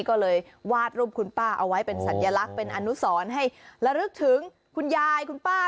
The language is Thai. ก็เลยวาดรูปคุณป้าเอาไว้เป็นสัญลักษณ์เป็นอนุสรให้ระลึกถึงคุณยายคุณป้า